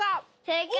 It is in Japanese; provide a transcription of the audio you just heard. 正解！